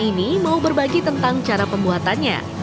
ini mau berbagi tentang cara pembuatannya